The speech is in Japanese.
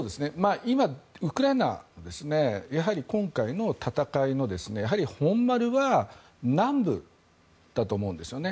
今、ウクライナ今回の戦いのやはり、本丸は南部だと思うんですよね。